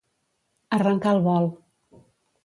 Arrencar el vol.